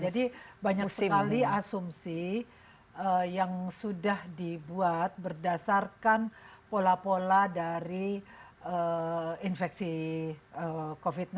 jadi banyak sekali asumsi yang sudah dibuat berdasarkan pola pola dari infeksi covid sembilan belas ini